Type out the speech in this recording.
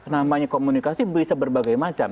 namanya komunikasi bisa berbagai macam